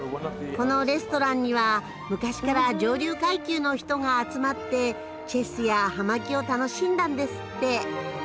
このレストランには昔から上流階級の人が集まってチェスや葉巻を楽しんだんですって。